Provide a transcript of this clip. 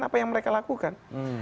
apa yang mereka lakukan